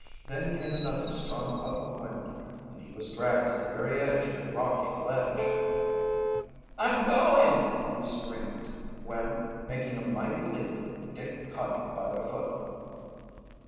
Then came another strong puff of wind, and he was dragged to the very edge of the rocky ledge! "I'm going!" he screamed, when, making a mighty leap, Dick caught him by the foot.